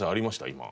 今。